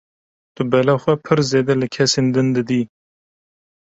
Tu bela xwe pir zêde li kesên din didî.